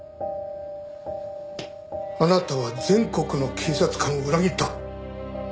あなたは全国の警察官を裏切った。